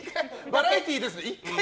バラエティーです。